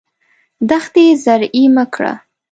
دښتې زرعي مه کړه.